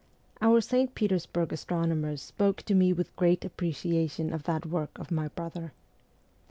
Our St. Petersburg astronomers spoke to me with great appreciation of that WESTERN EUROPE 309 work of my brother.